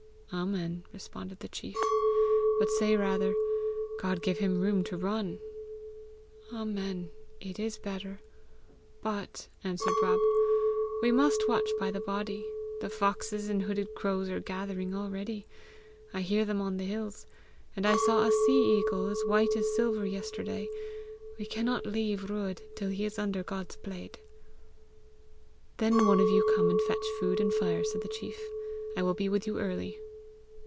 "Amen!" responded the chief; "but say rather, 'God give him room to run!'" "Amen! It is better. But," added Rob, "we must watch by the body. The foxes and hooded crows are gathering already I hear them on the hills; and I saw a sea eagle as white as silver yesterday! We cannot leave Ruadh till he is under God's plaid!" "Then one of you come and fetch food and fire," said the chief. "I will be with you early."